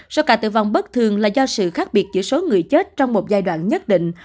số ca tử vong bất thường là do sự khác biệt giữa số người chết trong một giai đoạn nhất định